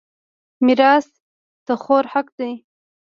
میراث د خور حق دی.